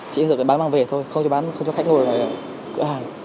chỉ bán mang về thôi không cho khách ngồi ở cửa hàng